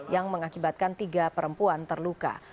yang mengakibatkan tiga perempuan terluka